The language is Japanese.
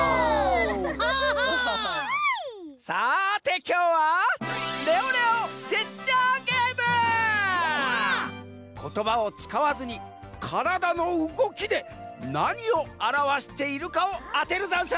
さてきょうはことばをつかわずにからだのうごきでなにをあらわしているかをあてるざんす！